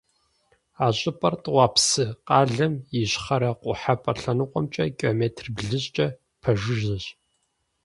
А щӏыпӏэр ТӀуапсы къалэм и ищхъэрэ-къухьэпӀэ лъэныкъуэмкӀэ километр блыщӏкӀэ пэжыжьэщ.